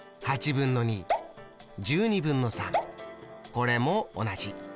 これも同じ。